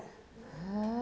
へえ。